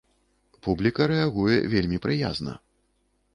Публіка рэагуе вельмі прыязна.